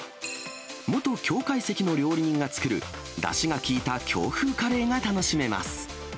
元京懐石の料理人が作る、だしが効いた京風カレーが楽しめます。